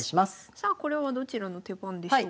さあこれはどちらの手番でしょうか？